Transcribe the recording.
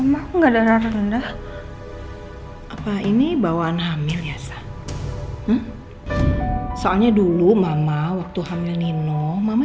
mama enggak darah rendah apa ini bawaan hamil biasa soalnya dulu mama waktu hamil nino mama